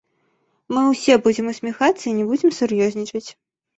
Мы ўсе будзем усміхацца і не будзем сур'ёзнічаць.